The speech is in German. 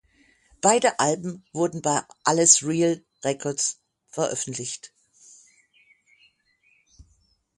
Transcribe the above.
Beide Alben wurden bei Alles Real Records veröffentlicht.